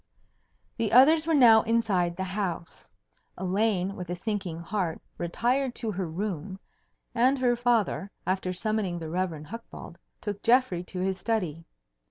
The others were now inside the house. Elaine with a sinking heart retired to her room, and her father after summoning the Rev. Hucbald took Geoffrey into his study.